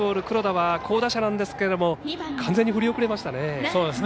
黒田は好打者なんですけれども完全に振り遅れましたね。